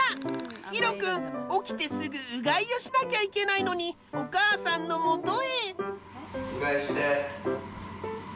イロくん起きてすぐうがいをしなきゃいけないのにお母さんの元へ！